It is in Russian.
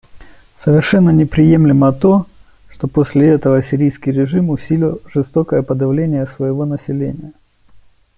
Совершенно неприемлемо то, что после этого сирийский режим усилил жестокое подавление своего населения.